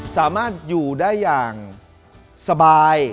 สามารถอยู่ได้อย่างสบาย